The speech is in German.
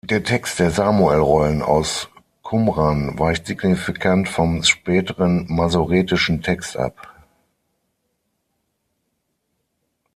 Der Text der Samuel-Rollen aus Qumran weicht signifikant vom späteren masoretischen Text ab.